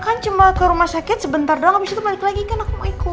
kan cuma ke rumah sakit sebentar doang disitu balik lagi kan aku mau ikut